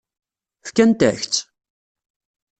Fkant-ak-tt?